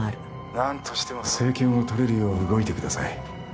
☎何としても政権をとれるよう動いてください